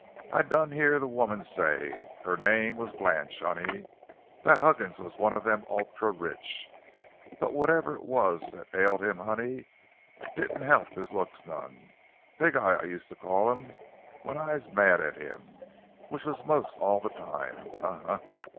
I done hear the woman say—her name was Blanche, honey—that Huggins was one of them ultra rich. But whatever it was that ailed him, honey, didn't help his looks none. Pig eye, I used to call him, when I'se mad at him—which was mostly all the time—he, he, he!"